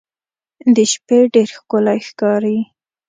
د شپې ډېر ښکلی ښکاري.